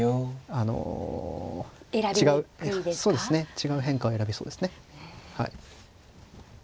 違う変化を選びそうですね。